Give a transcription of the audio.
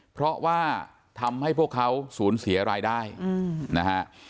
เพราะว่าทำให้พวกเขาสูญเสียรายได้นะฮะ